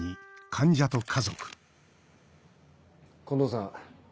近藤さん